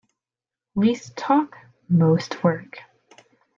Least talk most work.